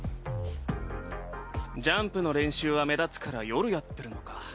ジャンプの練習は目立つから夜やってるのか。